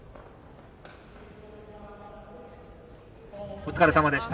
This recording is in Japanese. お疲れさまでした。